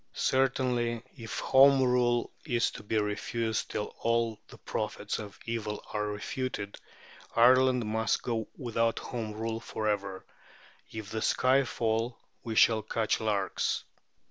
Certainly, if Home Rule is to be refused till all the prophets of evil are refuted, Ireland must go without Home Rule for ever. "If the sky fall, we shall catch larks."